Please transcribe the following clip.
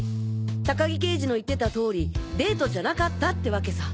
高木刑事の言ってた通りデートじゃなかったってわけさ。